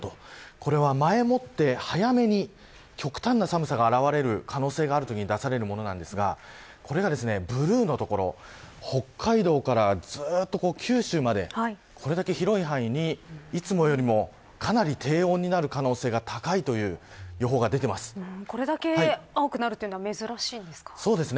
これは前もって、早めに極端な寒さが現れる可能性があるときに出されるものですがこれがブルーの所北海道からずっと九州までこれだけ広い範囲にいつもよりもかなり低温になる可能性が高いこれだけ青くなるのはそうですね。